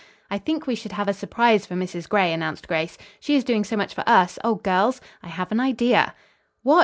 "I think we should have a surprise for Mrs. Gray," announced Grace. "She is doing so much for us. O girls! I have an idea." "What!"